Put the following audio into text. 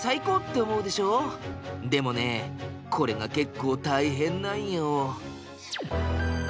でもねこれが結構大変なんよ。